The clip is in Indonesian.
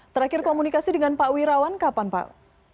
terakhir komunikasi dengan pak wirawan kapan pak